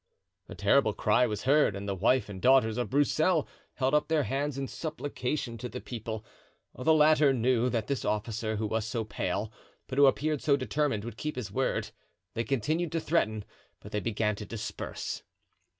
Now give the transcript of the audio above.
A terrible cry was heard, and the wife and daughters of Broussel held up their hands in supplication to the people; the latter knew that this officer, who was so pale, but who appeared so determined, would keep his word; they continued to threaten, but they began to disperse.